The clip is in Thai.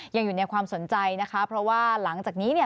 ยังอยู่ในความสนใจนะคะเพราะว่าหลังจากนี้เนี่ย